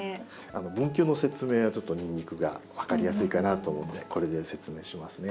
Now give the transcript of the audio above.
分球の説明はちょっとニンニクが分かりやすいかなと思うんでこれで説明しますね。